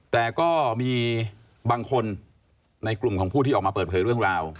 แต่ก็มีบางคนในกลุ่มของผู้ที่ออกมาเปิดเผยเรื่องราว